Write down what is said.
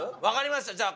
分かりました。